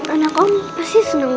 anak om pasti seneng